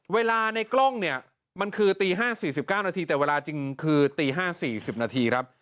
ในกล้องเนี่ยมันคือตี๕๔๙นาทีแต่เวลาจริงคือตี๕๔๐นาทีครับ